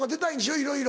いろいろ。